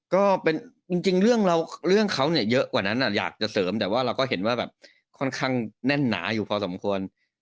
ก็เป็นจริงเรื่องเขาเนี่ยเยอะกว่านั้นอยากจะเสริมแต่ว่าเราก็เห็นว่าแบบค่อนข้างแน่นหนาอยู่พอสมควร